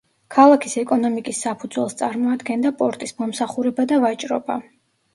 ქალაქის ეკონომიკის საფუძველს წარმოადგენდა პორტის მომსახურება და ვაჭრობა.